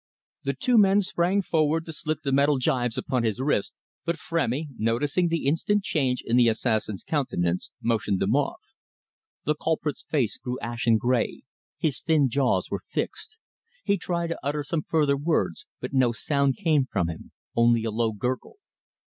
The two men sprang forward to slip the metal gyves upon his wrists, but Frémy, noticing the instant change in the assassin's countenance, motioned them off. The culprit's face grew ashen grey, his thin jaws were fixed. He tried to utter some further words, but no sound came from him, only a low gurgle.